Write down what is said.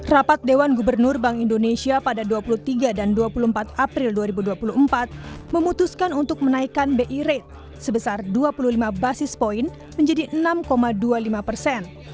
rapat dewan gubernur bank indonesia pada dua puluh tiga dan dua puluh empat april dua ribu dua puluh empat memutuskan untuk menaikkan bi rate sebesar dua puluh lima basis point menjadi enam dua puluh lima persen